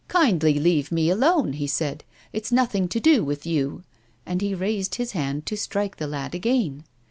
" Kindly leave me alone," he said; "it's nothing to do with you ;" and he raised his hand to strike the lad again.